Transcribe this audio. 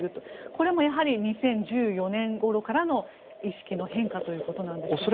これも２０１４年ごろからの意識の変化ということでしょうか？